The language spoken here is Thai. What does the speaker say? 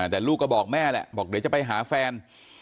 แต่ลูกก็บอกแม่แหละบอกเดี๋ยวจะไปหาแฟน